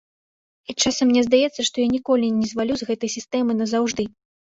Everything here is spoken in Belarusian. І часам мне здаецца, што я ніколі не звалю з гэтай сістэмы назаўжды.